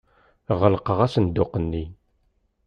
Ɣelqeɣ asenduq-nni.